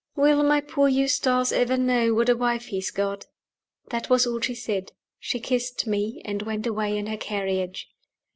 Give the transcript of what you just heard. "Will my poor Eustace ever know what a wife he has got?" That was all she said. She kissed me, and went away in her carriage.